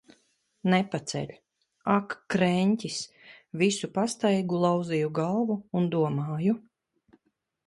Nepaceļ. Ak, kreņķis! Visu pastaigu lauzīju galvu un domāju.